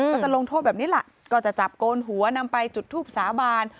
ก็จะลงโทษแบบนี้แหละก็จะจับโกนหัวนำไปจุดทูปสาบาน